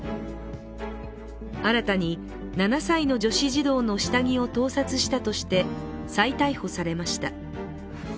新たに７歳の女子児童の下着を盗撮したとして再逮捕されました。